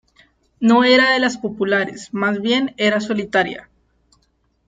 No era de las populares, más bien era solitaria.